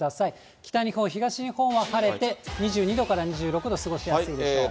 北日本、東日本は晴れて、２２度から２６度、過ごしやすいでしょう。